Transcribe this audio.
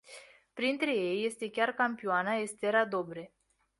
Printre ei chiar campioana Estera Dobre.